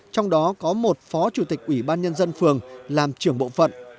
trong đó có một phó chủ tịch ủy ban nhân dân phường làm trưởng bộ phận